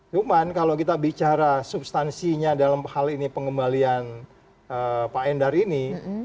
cuman kalau kita bicara substansinya dalam hal ini pengembalian pak endar ini